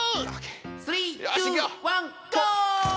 「スリーツーワンゴー！」。